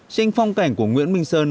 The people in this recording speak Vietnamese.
tranh phong cảnh của nguyễn minh sơn